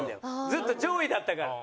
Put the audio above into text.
ずっと上位だったから。